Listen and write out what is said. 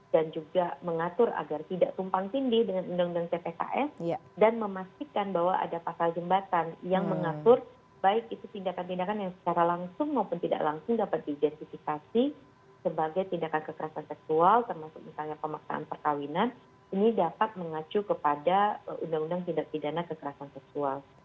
dan juga mengatur agar tidak tumpang tindih dengan undang undang cpks dan memastikan bahwa ada pasal jembatan yang mengatur baik itu tindakan tindakan yang secara langsung maupun tidak langsung dapat diidentifikasi sebagai tindakan kekerasan seksual termasuk misalnya pemaksaan perkawinan ini dapat mengacu kepada undang undang tindak pidana kekerasan seksual